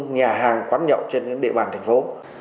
nhà hàng quán nhậu trên địa bàn thành phố